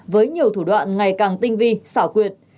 với nhiều thủ đoạn ngày càng tinh vi xảo quyệt